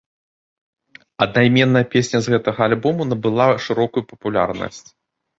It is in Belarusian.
Аднайменная песня з гэтага альбому набыла шырокую папулярнасць.